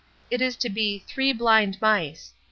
It is to be 'Three Blind Mice.'